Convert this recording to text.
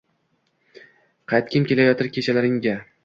Qaytgim kelayotir kechalaringga